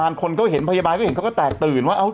หนูจะต้องพูดให้จบแต่ร็กหนูพูดลงอีก